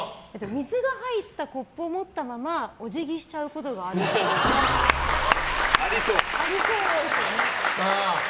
水が入ったコップを持ったままお辞儀しちゃうことがありそう。